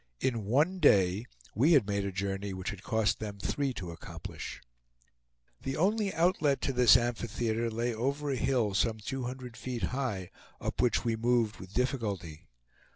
In one day we had made a journey which had cost them three to accomplish. The only outlet to this amphitheater lay over a hill some two hundred feet high, up which we moved with difficulty.